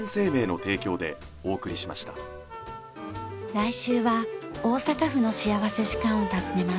来週は大阪府の幸福時間を訪ねます。